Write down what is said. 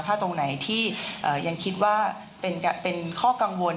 ถ้าตรงไหนที่ยังคิดว่าเป็นข้อกังวล